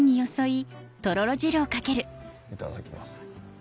いただきます。